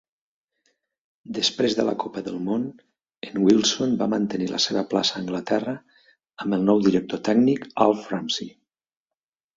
Després de la Copa del Món, en Wilson va mantenir la seva plaça a Anglaterra amb el nou director tècnic Alf Ramsey.